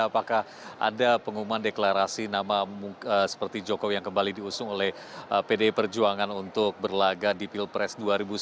apakah ada pengumuman deklarasi nama seperti jokowi yang kembali diusung oleh pdi perjuangan untuk berlaga di pilpres dua ribu sembilan belas